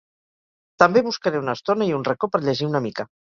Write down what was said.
També buscaré una estona i un racó per llegir una mica.